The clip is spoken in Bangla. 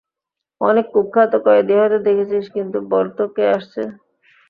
অনেক কুখ্যাত কয়েদী হয়তো দেখেছিস কিন্তু বল তো কে আসছে?